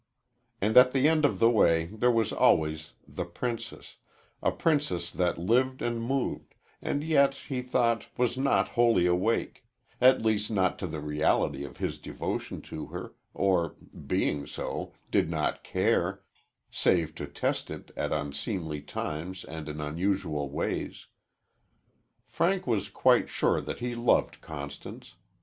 And at the end of the way there was always the princess a princess that lived and moved, and yet, he thought, was not wholly awake at least not to the reality of his devotion to her, or, being so, did not care, save to test it at unseemly times and in unusual ways. Frank was quite sure that he loved Constance.